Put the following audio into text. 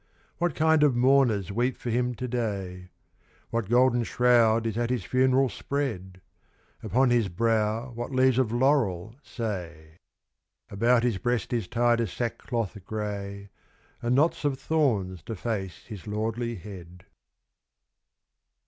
What kind of mourners weep for him to day? What golden shroud is at his funeral spread? Upon his brow what leaves of laurel, say? _About his breast is tied a sackcloth grey, And knots of thorns deface his lordly head.